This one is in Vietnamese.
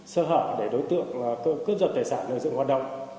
sơ hở để đối tượng cướp giật tài sản lợi dụng hoạt động